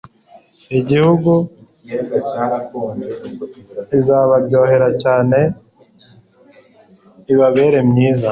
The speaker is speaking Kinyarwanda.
gihugu izabaryohera cyane ibabere myiza